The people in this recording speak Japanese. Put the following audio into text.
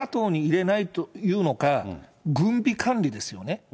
それはＮＡＴＯに入れないというのか、軍備管理ですよね。